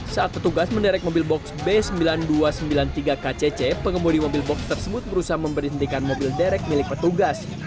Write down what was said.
saat petugas menderek mobil box b sembilan ribu dua ratus sembilan puluh tiga kcc pengemudi mobil box tersebut berusaha memberhentikan mobil derek milik petugas